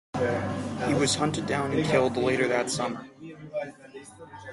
He was hunted down and killed later that summer.